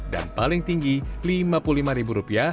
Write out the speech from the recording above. paling tinggi rp lima puluh lima